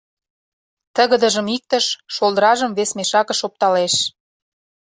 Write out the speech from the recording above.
Тыгыдыжым иктыш, шолдражым вес мешакыш опталеш.